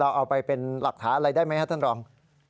เอาไปเป็นหลักฐานอะไรได้ไหมครับท่านรอง